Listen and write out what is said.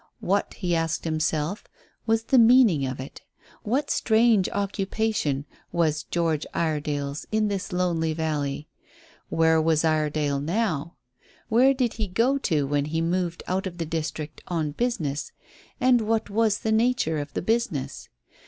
What, he asked himself, was the meaning of it? What strange occupation was George Iredale's in this lonely valley? Where was Iredale now? Where did he go to when he moved out of the district on business, and what was the nature of the business?